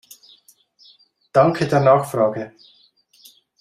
Danke der Nachfrage!